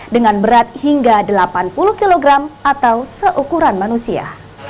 dengan berat hingga delapan puluh kg atau seukuran manusia